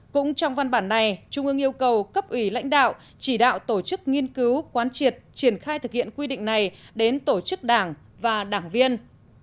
cũng trong văn bản này trung ương yêu cầu cấp ủy lãnh đạo chỉ đạo tổ chức nghiên cứu quán triệt triển khai thực hiện quy định này đến tổ chức đảng và đảng viên